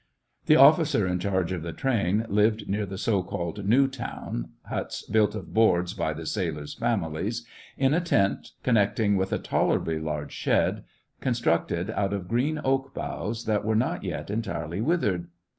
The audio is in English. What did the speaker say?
The officer in charge of the train Hved near the so called new town (huts built of boards by the sailors' families), in a tent, connecting with a tolerably large shed, constructed out of green oak boughs, that were not yet entirely withered.